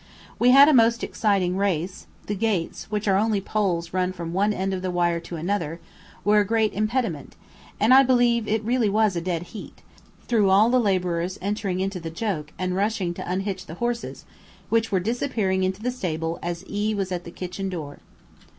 We had a most exciting race; the gates, which are only poles run from one end of the wire to another, were a great impediment, and I believe it was really a dead heat, through all the labourers entering into the joke and rushing to unhitch the horses, which were disappearing into the stable as E was at the kitchen door.